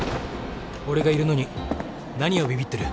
俺がいるのに何をビビってる。